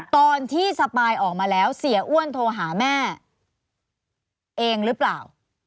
ตอนที่สปายออกมาแล้วเสียอ้วนโทรหาแม่เองหรือเปล่า